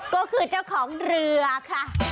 ก็คือเจ้าของเรือค่ะ